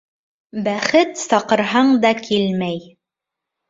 Бәхет саҡырһаң да килмәй.